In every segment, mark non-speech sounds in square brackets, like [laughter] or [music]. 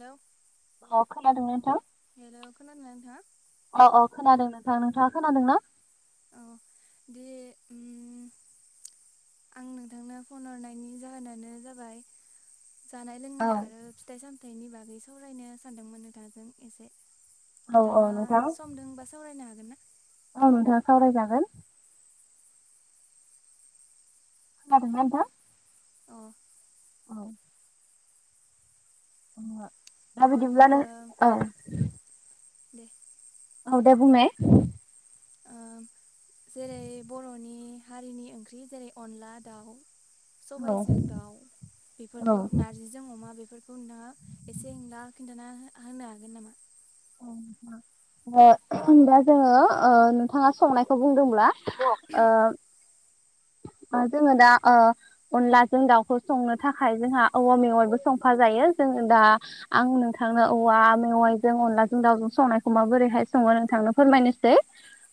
हेल' अ खोनादों नोंथां? हेल' खोनादोना नोंथां? औ औ खोनादों नोंथां। नोंथाङा खोनादों ना? औ दे उम आं नोंथांनो फन हरनायनि जाहोनानो जाबाय जानाय औ लोंनाय आरो फिथाइ सामथाइनि बागै सावरायनो सानदोंमोन नोथांजों एसे औ औ नोंथाङा नोंथां सम दोंबा सावरायनो हागोन ना? औ नोंथां सावरायजागोन। ख्नादोना नोंथां? अ औ ओ दा बर'नि ओ बिदिब्लानो ओ दे ओ दे बुंनाय ओम जेरै- बर'नि हारिनि ओंख्रि जेरै- अनला दाउ औ सबायजों दाउ औ बेफोरखौ नार- जिजों अमा बेफोरखौ नोंथाङा एसे इंला खिन्थाना हो-हानो हागोन नामा? अ [inaudible] ओ दा जोङो ओ नोंथाङा संनायखौ बुंदोंब्ला ओ [inaudible] ओ जोङो दा ओ अनलाजों दाउखौ संनो थाखाय जोंहा औवा मेवायबो संफा जायो जोङो दा आं नोंथांनो औवा मेवाइजों अनला- जों दाउजों संनायखौ माबोरैहाय सङो नोंथांनो फोरमायनोसै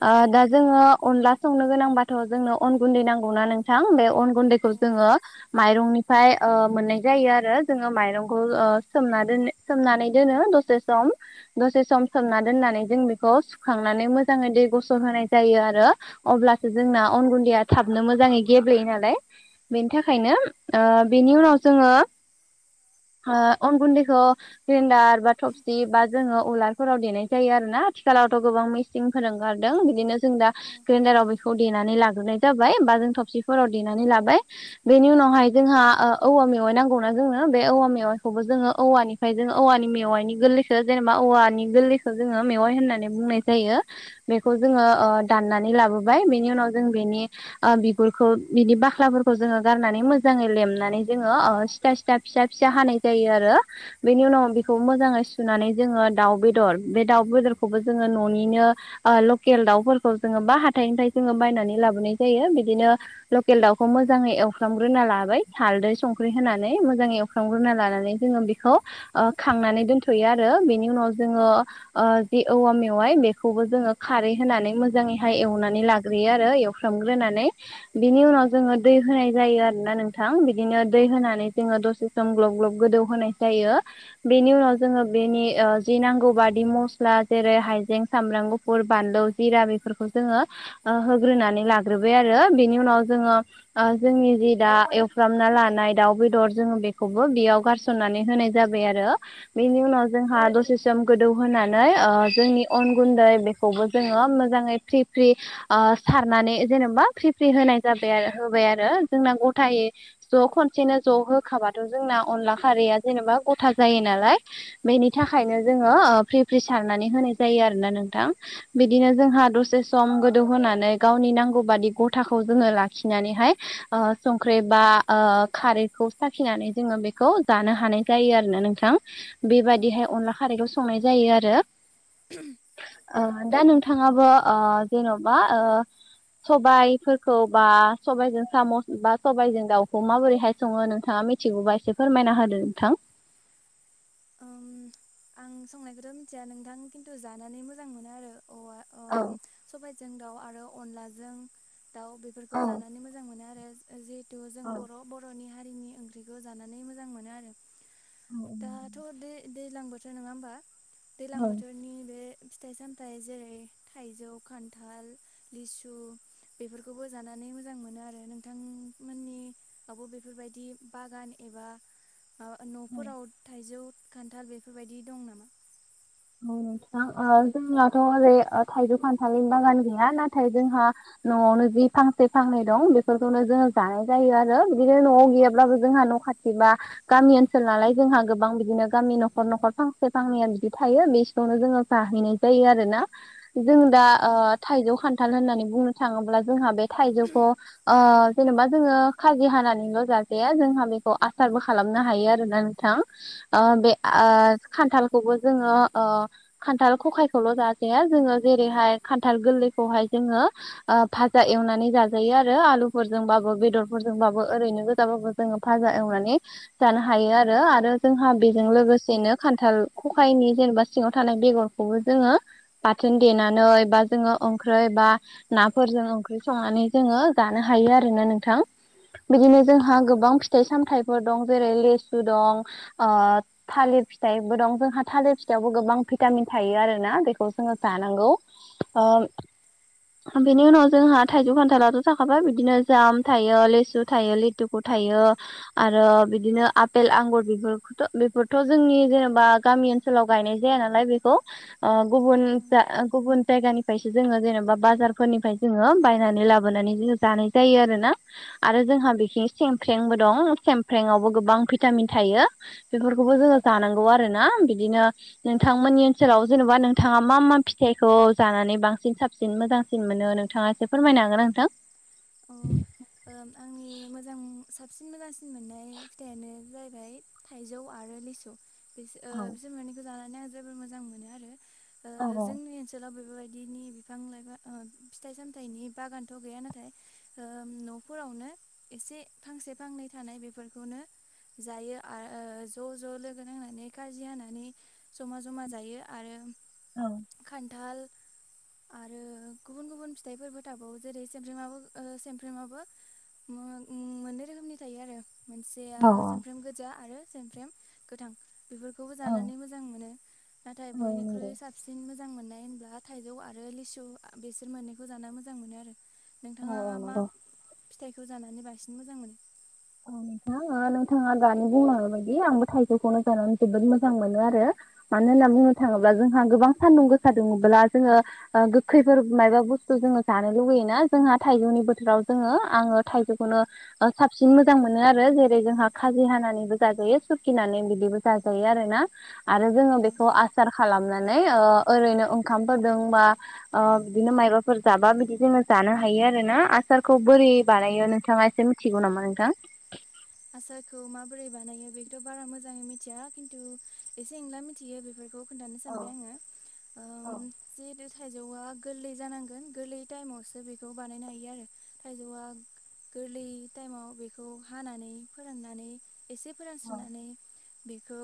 ओ दा जोङो अनला संनो गोनांबाथ' जोंनो अन गुन्दै नांगौना नोंथां? बे अन औ गुन्दैखौ जोङो माइरंनिफ्राय ओ मोननाय जायो आरो जोङो माइरंखौ ओ सोमना दोनना सोमनानै दोनो दसे सम दसे सम सोमना दोननानै जों बेखौ सुखांनानै मोजाङै दै गसर होनोनाय जायो आरो। अब्लासो जोंना अन गुन्दैया थाबनो मोजाङै गेब्लेयो नालाय बेनि थाखायनो ओ बेनि उनाव जोङो ओ अन गुन्दैखौ ग्रिन्दार बा थबसि बा जोङो उलारफोराव देनाय जायो आरोना आथिखालावथ' गोबां मिसिंफोर ओंखारदों बिदिनो जों दा औ ग्रेन्डाराव बेखौ देनानै लाग्रोनाय जाबाय बा जों थबसिफोराव देनानै लाबाय। बेनि उनावहाय जोंहा औवा मेवाइ नांगौनाा जोंनो बे औवा मेवाइखौबो जोङो औवानि ओमफ्राय जोङो औवानि मेवाइनि गोरलैखौ जेनेबा औवानि गोरलैखौ जोङो मेवाइ होननानै बुंनाय जायो। बेखौ जोङो दाननानै लाबोबाय बेनि उनाव जों बेनि बिगुरफोरखौ बिदि बाख्लाफोरखौ जोङो गारनानै मोजाङै लेमनानै जोङो फथा सिथा फिसा फिसा हानाय जायो आरो बेनि उनाव औ बेखौ मोजाङै सुनानै जोङो दाउ बेदर बे दाउ बेदरखौबो जोङो न'निनो ओ लकेल दाउफोरखौ जोङो बा हाथाइनि थाखाय जोङो बायनानै लाबोनाय जायो। बिदिनो लकेल दाउखौ मोजाङै एवफ्रामग्रोना लाबाय हालदै, संख्रि होनानै मोजाङै सुख्रांग्रोना लानानै जोङो बेखौ ओ खांनानै दोनथ'यो आरो बेनि उनाव जोङो ओ जि औवा मेवाइ बेखौबो जोङो खारै होनानै मोजाङैहाय एवनानै लाग्रोयो आरो खालामग्रोनानै बिनि उनाव जोङो दै होनाय जायो आरोना नोंथां। बिदिनो दै होनानै जोङो दसे सम ग्लब-ग्लब गोदौ होनाय जायो बेनि उनाव जोङो बेनि ओ जि नांगौ बादि मस्ला जेरै-हायजें, सामब्राम, गुफुर बानलौ, जिरा बेफोरखौ जोङो ओ होग्रोनानै लाग्रोबाय आरो बेनि उनाव जोङो ओ जोंनि जि दा एवफ्रामना लानाय दाउ बेदर जोङो बेखौबो बेयाव गार सननानै होनाय जाबाय आरो बेनि उनाव जोंहा दसे सम गोदौ होनानै ओ जोंनि अन गुन्दै बेखौबो जोङो मोजाङै फ्रि फ्रि ओ सारनानै जेनेबा फ्रि फ्रि होनाय जाबाय आरो होबाय आरो जोंना गथायै ज' खनसेनो ज' होखाबाथ' जोंना अनला खारैया जेनेबा गथा जायो नालाय बेनि थाखायनो जोङो ओ फ्रि फ्रि सारनानै होनाय जायो आरोना नोंथां। बिदिनो जोंहा दसे सम गोदौहोनानै गावनि नांगौ बादि गथाखौ जोङो लाखिनानैहाय ओ संख्रि बा ओ खारैखौ साखिनानै जोङो बेखौ जानो हानाय जायो आरोना नोंथां। औ बेबादिहाय अनला खारैखौ संनाय जायो आरो। [inaudible] ओ दा नोंथाङाबो ओ जेन'बा ओ सबाइफोरखौ बा सबाइजों साम' बा सबाइजों दाउखौ माबोरै हाय सङो नोंथाङा मिथिगौबा एसे फोरमायना होदो नोंथां। ओम आं संनायखौथ' मिथिया नोंथां खिन्थु जानानै मोजां मोनो आरो औवा औ सबायाइजों दाउ आरो अनलाजों दाउ बेफोरखौ औ जानानै मोजां मोनो आरो जिहेथु जों औ बर', बर'नि हारिनि ओंख्रिखौ जानानै मोजां मोनो आरो। दाथ' दै-दैज्लां बोथोर नङा होमबा? दैज्लां औ बोथोर नि बे फिथाइ-सामथाइ जेरै-थाइजौ, खान्थाल, लिसु बेफोरखौबो जानानै मोजां मोनो आरो नोंथांमोननि आवबो बेफोरबायदि बागान एबा माबा औ न'फोराव थाइजौ, खान्थाल बेफोरबायदि दं नामा? औ नोंथां ओ जोंनाथ' ओरै थाइजौ, खान्थालनि बागान गैया नाथाय जोंहा न'आवनो जि फांसे-फांनै दं बेफोरखौनो जोङो जानाय जायो आरो बिदिनो न'आव गैयाब्लाबो जोंहा न' खाथि बा गामि ओनसोल नालाय जोंहा गोबां बिदिनो गामि न'खर-न'खर फांसे फांनैया बिदि थायो बेावनो जोङो जाहैनाय जायो आरोना। जों दा ओ थाइजौ, खान्थाल होननानै बुंनो थाङोब्ला जोंहा बे थाइजौखौ ओ जेनेबा जोङो खाजि हानानैल' जाजाया जोंहा बेखौ आसारबो खालामनो हायो आरोना ओ बे ओ आंनि खान्थालखौबो जोङो ओ खान्थाल खखायखौल' जाजाया जोङो जेरैहाय खान्थाल गोरलैखौहाय जोङो ओ फाजा एवनानै जाजायो आरो आलुफोरजोंबाबो बेदरफोरजोंबाबो ओरैनो गोजाबाबो जोङो फाजा एवनानै जानो हायो आरो आरो जोंहा बेजों लोगोसेनो खान्थाल खखायनि जेनेबा सिङाव थानाय बेगरखौबो जोङो बाथोन देनानै बा जोङो ओंख्रि बा नाफोरजों ओंख्रि संनानै जोङो जानो हायो आरोना नोंथां बिदिनो जोंहा गोबां फिथाइ-सामथायाइफोर दं जेरै लिसु दं ओ थालिर फिथाइबो दं जों थालिर फिथावबो गोबां भिटामिन थायो आरोना बेखौ जोङो जानांगौ ओ [inaudible] बेनि उनाव जोंहा थाइजौ खान्थालाथ' थाखाबाय बिदिनो जाम थायो लिसु थायो लिथुफु थायो आरो बिदिनो आफेल आंगुर बेफोरखौथ' बेफोरथ' जोंनि जेनेबा गामि ओनसोलाव गायनाय जाया नालाय बेखौ गुबुन गुबुन जायगानि सो जोङो जेनेबा बाजारफोरनिफ्राय जोङो बायनानै लाबोनानै जोङो जानाय जायो आरोना आरो जोंहा बेखिनि सेमफ्रेंबो दं सेमफ्रेंआवबो गोबां भिटामिन थायो बेफोरखौबो जोङो जानांगौ आरोना बिदिनो नोंथांमोननि ओनसोलाव जेन'बा नोंथाङा मा मा फिथाइखौ जानानै बांसिन साबन साबसिन मोजांसिन मोनो नोंथाङा एसे फोरमायनो हागोन नोंथां औ आंनि मोजां साबसिन मोजांसिन मोननाय फिथाइानो जाहैबाय थाइजौ आरो लिसु बि औ बिसोर मोननैखौ जानानै आं जोबोर मोजां मोनो आरो औ जोंनि ओनोल लाव बेफोरबायदिनि बिफां लाइफां फिथाइ सामथायाइनि बागानथ' गैया नाथाय न'फोरावनो एसे फांसे फांनै थानाय बेफोरखौनो जायो आरो ज' ज' लोगो नांनानै खाजि हानानै जमा जमा जायो आरो औ खान्थाल आरो गुबुन गुबुन फिथाइफोरबो थाबावो जेरै सेमब्रिमाबो सेमफ्रोमाबो मोननै रोखोमनि थायो आरो मोनसेया औ समफ्राम गोजा आरो समफ्राम गोथां बेफोरखौ खौबो औ जानानै मोजां मोनो नाथाय औ बयनिख्रुइ नंगौ सा साबसिन मोजां मोननाय होनब्ला थाइजौ आरो लिसु बेसोर मोननैखौ जानो मोजां मोनो आरो औ नोंथाङा औ मा नंगौ फिथाइखौ जानानै बांसिन मोजां मोनो औ नोंथां नोंथाङा दानि बुंलांनाय बायदि आंबो थाइजौखौनो जानानै जोबोद मोजां मोनो आरो मानो होनना बुंनो थाङोब्ला जोंहा गोबां सान्दुं गोसा दुंब्ला जोङो गोखैफोर मायबा बुस्थु जोङो जानो लुुबैयोना जोंहा थाइजौनि बोथोराव जोङो आङो थाइजौखौनो अ साबसिन मोजां मोनो आरो जेरै जोंहा खाजि हानानैबो जाजायो रूखिनानै बिदिबो जाजायो आरोना आरो जोङो ओ बेखौ आसार खालामनानै ओरैनो ओंखामफोरदों बा बिदिनो माइबाफोर जाबा बिदि जोङो जानो हायो आरो ना आसारखौ बोरै बानायो नोंथाङा एसे मिथिगौ नामा नोंथां आसारखौ माबोरै बानायो बेखौथ' बारा मोजाङै मिथिया खिन्थु एसे, एंला मिथियो बे बेफोरखौ खोन्थानो औ सानबाय आङो जिहेतु थाइजौआ गोरलै जानांगोन गोरलै टाइमावसो बेखौ बानायनो हायो आरो थाइजौआ गोरलै टाइमाव बेखौ हानानै फोराननानै एसे फोरानस्रिनानै बेखौ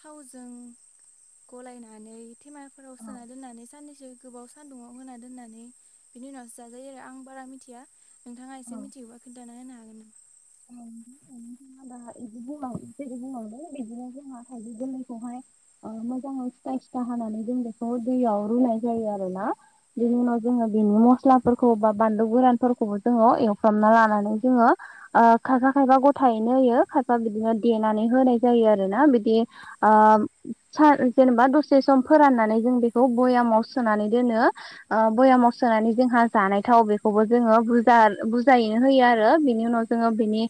थावजों गलायनानै थेमाफोराव सोना दोननानै साननैसो गोबाव स सान्दुङाव होना दोननानै बिनि उनावसो जाजायो। आरो आं बारा मिथिया नोंथाङा एसे मिथियोबा खोनथानानै होनो हागोन नामा? औ [inaudible] नोंथाङा दा बिदि बुंलां बुंलांदों बिदिनो जोंहा थाइजै गोमोनखौहाय आ मोजांआव सिथा सिथा हाना बेखौ जों रुनायजायो बिनि उनाव जोङो बेनि मस्लाफोरखौ बा बानलु गोरानफोरखौबो जोङो एवफ्रामना लानानै जोङो खायफा खायफा गथायैनो होयो खायफा बिदिनो देनानै होनाय जायो आरो ना बिदि जेनेबा दसे सम फोराननानै जों बेखौ भयामाव सोनानै दोनो भयामाव सोनानै जोंहा जानाय थाव बेखौबो जोङो बज बुजायैनो होयो आरो बेनि उनाव जोङो बिनि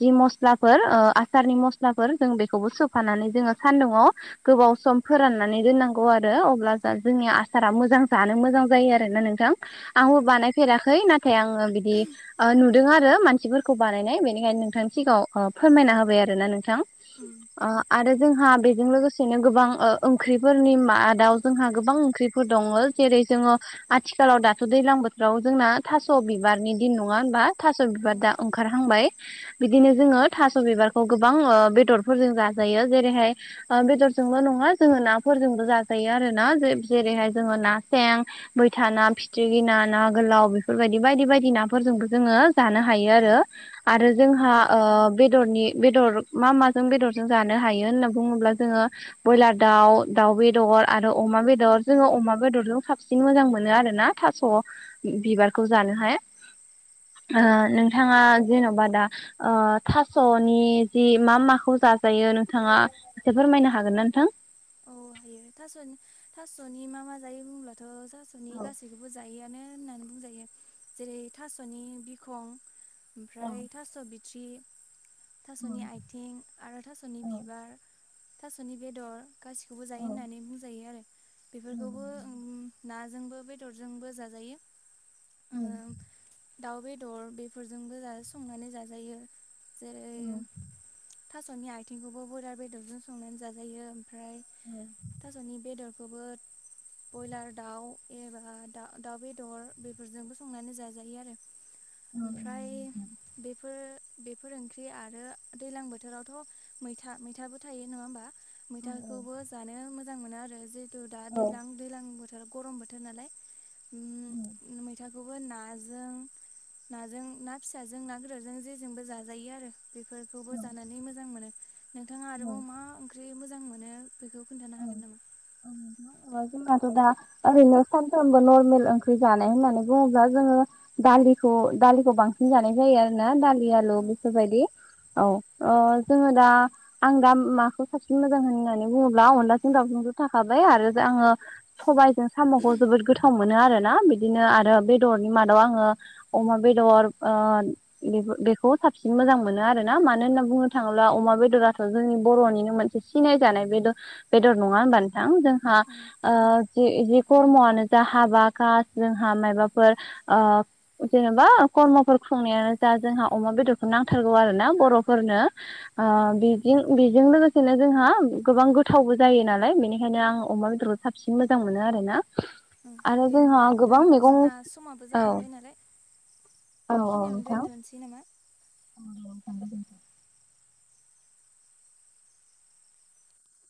जि मस्लाफोर आसारनि मस्लाफोर जों बेखौबो सोफानानै जोङो सान्दुंङआव गोबाव सम फोराननानै दोननांगौ आरो अब्ला जोंनि आसारा मोजां जानो मोजां जायो। आरोना नोंथां आंबो औ बानायफेराखै नाथाय आङो बिदि नुदों आरो मानसिफोरखौ। खौ बानायनाय बेनिखायनो नोंथांनि सिगाङाव फोरमायना होबाय आरोना नोंथां उम आरो जोंहा बेजों लोगोसेनो गोबां ओंख्रिफोरनि मा दउ जोंहा गोबां ओंख्रिफोर दङ जेरै जोङो आथिखालाव दाथ' दैज्लां बोथोराव जोंना थास' बिबारनि दिन नङा होनबा थास' बिबार दा औ ओंखारहांबाय बिदिनो जोङो थास' बिबारखौ गोबां बेदरफोरजों जाजायो जेरैहाय बेदरजोंल' नङा जोङो नाफोरजोंबो जाजायो आरो ना जेरैहाय जोङो ना सें मैथा ना फिथि्रिखि ना ना गोलाव बेफोरबायदि बायदि बायदि नाफोरजोंबो जोङो जानो हायो बे आरो आरो उम जोंहा बेदरनि बेदर मा माजों बेदरजों जानो हायो होनना बुङोब्ला जोङो ब्रयलार दाउ दाउ बेदर आरो अमा बेदर जोङो अमा बेदरजों साबसिन मोजां मोनो आरो ना थास' बिबारखौ जानो हाय नों बिथाङा जेन'बा दा थास'नि जि मा माखौ जाजायो नोंथाङा एसे फोरमायनो हागोन ना नोंथां म जायो' गासि बे जायोआनो होननानै बुंजायो जेरै थास'नि बिखं ओमफ्राय थास' बिथ्रि थास'नि आथिं आरो थास'नि बिबार थास'नि बेदर गासिखौबो जायो होननानै बुंजायो आरो बेफोरखौबो नाजोंबो बेदरजोंबो जाजायो दाउ बेदर बेफोरजोंबो ज संनानै जाजायो जेरै थास'नि आथिंखौबो हयदार बेदरजों संनानै जाजायो ओमफ्राय औ थास'नि बेदरखौबो ब्रयलार दाउ एबा दाउ बेदर बेफोरजोंबो संनानै जाजायो आरो ओमफ्राय बेफोर बेफोर ओंख्रि आरो दैज्लां बोथोरावथ' मैथा मैथाबो थायो नङा होमबा मैथाखौबो जानो मोजां मोनो आरो जिहेतु दा दै्लां दै्लां बोथोर बोथोर गरम बोथोर नालाय मै फिथाखौबो नाजों नाजों ना फिसाजों ना गदोरजों जेजोंबो जाजायो आरो बेफोरखौबो जानानै मोजां मोनो नोंथाङा आरोबाव मा ओंख्रि मोजां मोनो बेखौ खोन्थानो हागोन नामा जनाााथ दा ओरैनो सानफ्रामोमबो नर्मेल ओंख्रि जानाय होननानै बुङोब्ला जोङो दालिखौ दालिखौ बांसिन जानाय जायो आरो ना दालि आलु औ बेफोरबायदि औ जोङो दा आं दा माखौ साबसिन मोजां होननानै बुङोब्ला अलाजों दउ' थाखाबाय आरो आङो सबायजों साम'खौ जोबोद गोथाव गोथाव मोनो आरो ना बिदिनो आरो बेदरनि मादाव आङो अमा बेदर बे बेखौ साबसिन मोजां मोनो आरो ना मानो होनना बुंनो थाङोब्ला अमा बेदराथ' जोंनि बर'निनोमोन सिसिनाय जानाय बेर बेदर नङा होनबा नोथां? जोंहा औ ओ जि जि खरमआनो जा हाबा खास जोंहा मायबाफोर ओ जेन'बा कर्मफोर खुंनायानो जा जोंहा अमा बेदरखौ नांथारगौ आरो ना बर'फोरनो। ओ बेजों बेजों लोगोसेनो जोंहा गोबां थावबो जायो नालाय बेनिखायनो आं अमा बेदरखौ साबसिन मोजां मोनो आरोना। आरो दे होमब्ला जोंहा नोंथां गोबां मैगं जोंना समाबो औ जालांबाय नालाय बेखिनियावनो दोनथ'नोसै नामा। औ थ दोन